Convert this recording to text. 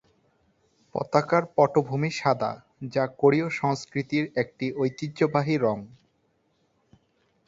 পতাকার পটভূমি সাদা, যা কোরীয় সংস্কৃতির একটি ঐতিহ্যবাহী রঙ।